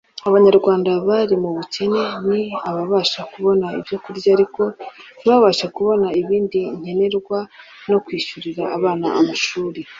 Abanyarwanda bari mu bukene ni ababasha kubona ibyo kurya ariko ntibabashe kubona ibindi nkenerwa nko kwishyurira abana amashuri